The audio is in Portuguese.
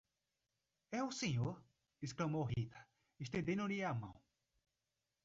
É o senhor? exclamou Rita, estendendo-lhe a mão.